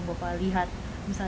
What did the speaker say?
misalnya dia terlantar di tengah bapak